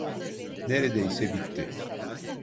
Neredeyse bitti.